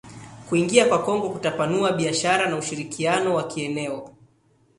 Kuingia kwa Kongo kutapanua biashara na ushirikiano wa kieneo